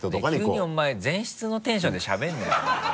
急にお前前室のテンションでしゃべるなよ。